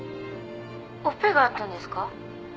オペがあったんですか？